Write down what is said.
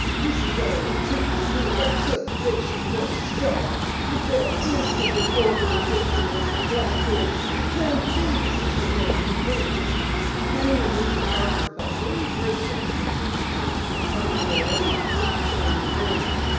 "This is all a trick to build up circulation for the Star. If there is such an organization as the Black Hoods, Clem Davis is the man who heads it!" Penny and Mr. Parker felt very grateful to the fugitive who had come to their aid at such a timely moment.